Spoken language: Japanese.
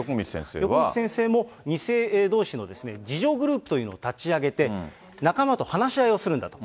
横道先生も、２世どうしの自助グループというのを立ち上げて、仲間と話し合いをするんだと。